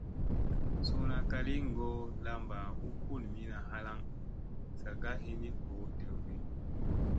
Suuna kali goo lamba u kulmiina halaŋ sa ka hini voo dewdi.